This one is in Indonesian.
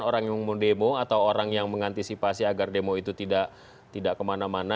orang yang mendemo atau orang yang mengantisipasi agar demo itu tidak kemana mana